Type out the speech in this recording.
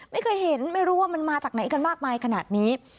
ไม่เคยเห็นไม่รู้ว่ามันมาจากไหนกันมากมายขนาดนี้